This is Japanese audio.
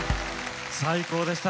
最高でした。